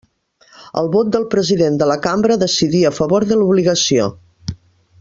El vot del president de la cambra decidí a favor de l'obligació.